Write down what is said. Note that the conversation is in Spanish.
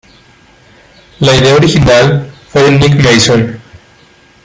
La idea original fue de Nick Mason.